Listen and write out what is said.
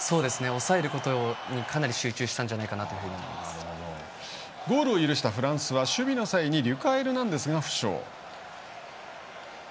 押さえることにかなり集中したんじゃないかなゴールを許したフランスは守備の際にリュカ・エルナンデスが負傷。